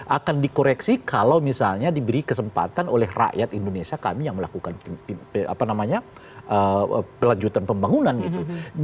akan dikoreksi kalau misalnya diberi kesempatan oleh rakyat indonesia kami yang melakukan pelanjutan pembangunan gitu